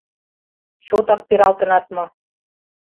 — Чотак пералтынат мо?